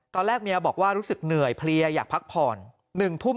ตอนแรกเมียบอกว่ารู้สึกเหนื่อยเพลียอยากพักผ่อน๑ทุ่ม